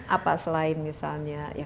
apa selain misalnya